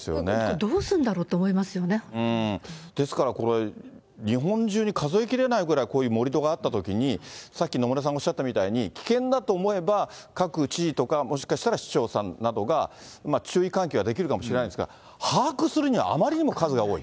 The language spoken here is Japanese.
どうするんだろうと思いますですからこれ、日本中に数えきれないぐらい盛り土があったときに、さっき野村さんがおっしゃったみたいに、危険だと思えば、各知事とか、もしかしたら市長さんなどが、注意喚起はできるかもしれないんですが、把握するにはあまりにも数が多い。